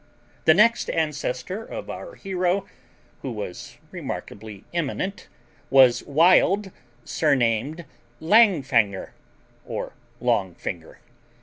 The next ancestor of our hero who was remarkably eminent was Wild, surnamed Langfanger, or Longfinger.